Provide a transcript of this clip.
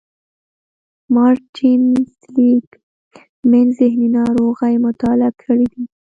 مارټين سېليګ مېن ذهني ناروغۍ مطالعه کړې دي.